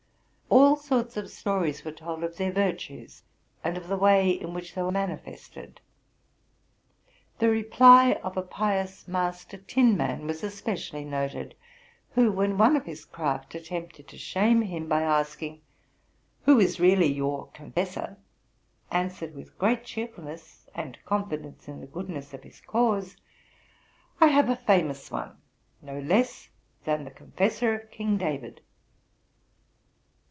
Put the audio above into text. All sorts of stories were told of their virtues, and of the way in which they were manifested. The reply of a pious master tinman was especially noted, who, when one of his craft attempted to shame him by asking, '* Who is really your confessor?'" answered with great cheer fulness, and confidence in the goodness of his cause, '* I have a famous one, —no less than the confessor of King David."